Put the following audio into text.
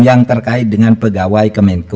yang terkait dengan pegawai